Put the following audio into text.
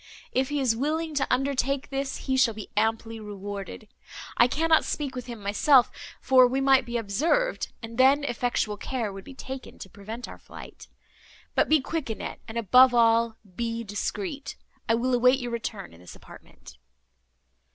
If he is willing to undertake this he shall be amply rewarded. I cannot speak with him myself, for we might be observed, and then effectual care would be taken to prevent our flight. But be quick, Annette, and, above all, be discreet—I will await your return in this apartment."